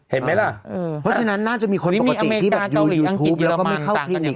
เห็นไหมล่ะเพราะฉะนั้นน่าจะมีคนปกติที่อยู่ยูทูปแล้วก็ไม่เข้าคลินิก